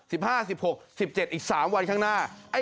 ๑๕๑๖๑๗อีก๓วันข้างหน้า